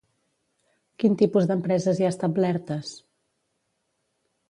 Quin tipus d'empreses hi ha establertes?